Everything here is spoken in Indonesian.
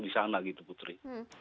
di sana gitu putri